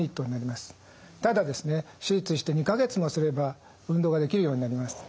ただですね手術して２か月もすれば運動ができるようになります。